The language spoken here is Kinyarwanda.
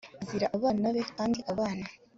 azira abana be kandi abana